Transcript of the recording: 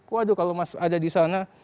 waduh kalau mas ada di sana